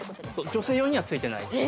◆女性用にはついてないです。